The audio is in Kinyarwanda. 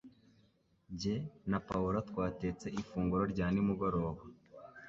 Jye na Paula twatetse ifunguro rya nimugoroba.